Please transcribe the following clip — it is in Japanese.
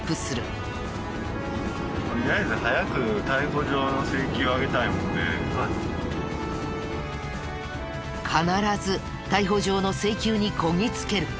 とりあえず。必ず逮捕状の請求にこぎ着ける！